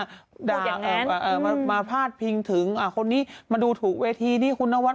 บูรีกันบอกว่าฝั่งนู้นด่ามาพาดพิงถึงโดยกางแนลมาดูถูกเวทีนี่คุณวัด